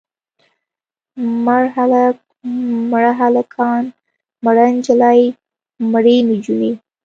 مړ هلک، مړه هلکان، مړه نجلۍ، مړې نجونې.